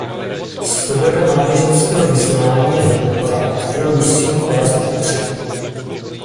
Svoboda náboženského vyznání je hodnota, kterou musíme klást do popředí.